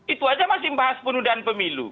itu aja masih membahas penundaan pemilu